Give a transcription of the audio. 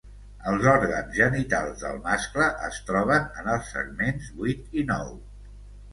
Els òrgans genitals del mascle es troben en els segments vuit i nou.